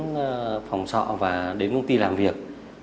xuống phòng sọ và đến công ty làm việc